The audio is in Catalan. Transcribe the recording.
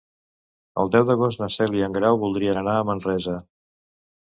El deu d'agost na Cel i en Grau voldrien anar a Manresa.